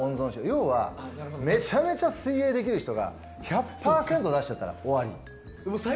要は、めちゃめちゃ水泳ができる人が１００％出してたら終わり。